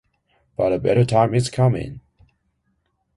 But a better time is coming.